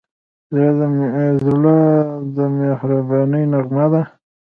زړه د مهربانۍ نغمه ده.